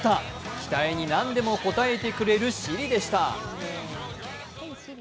期待に何でも応えてくれるシリでした。